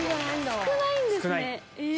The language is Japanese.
少ないんですね。